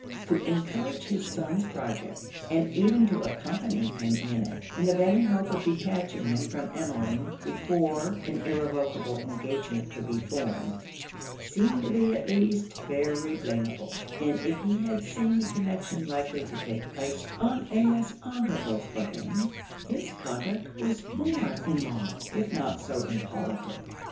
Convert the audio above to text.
To encourage his son's project, and even to accompany him in it, in the vain hope of detaching him from Emmeline before an irrevocable engagement could be formed, seemed to be at least very blameable; and if he had seen the connection likely to take place on a less honourable footing, his conduct was more immoral, if not so impolitic.